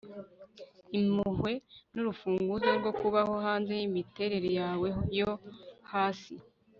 impuhwe nurufunguzo rwo kubaho hanze yimiterere yawe yo hasi